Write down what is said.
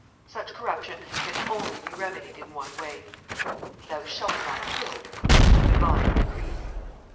Such corruption can only be remedied in one way. 'Thou shalt not kill,' is the Divine decree."